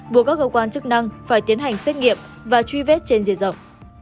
buộc các cơ quan chức năng phải tiến hành xét nghiệm và truy vết trên dây dầu